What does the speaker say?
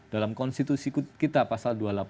dalam konstitusi kita pasal